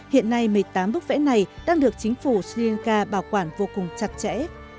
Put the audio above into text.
hiện nay một mươi tám bức vẽ này đang được chính phủ sri lanka bảo quản vô cùng chặt chẽ